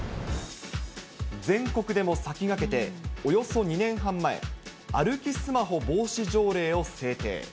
全国でも先駆けて、およそ２年半前、歩きスマホ防止条例を制定。